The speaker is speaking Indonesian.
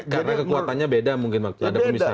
karena kekuatannya beda mungkin ada kemisahan